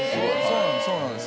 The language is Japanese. そうなんです。